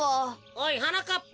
おいはなかっぱ！